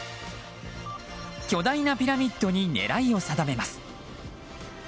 巨大なピラミッドに狙いを定めます。